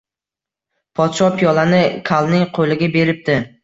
Podsho piyolani kalning qo‘liga beribdi